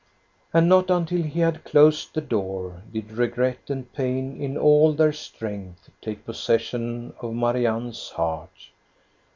And not until he had closed the door, did regret and pain in all their strength take possession of Marianne's heart.